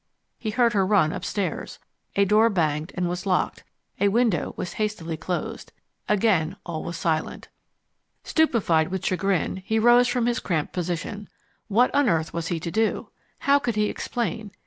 He heard her run upstairs. A door banged, and was locked. A window was hastily closed. Again all was silent. Stupefied with chagrin, he rose from his cramped position. What on earth was he to do? How could he explain?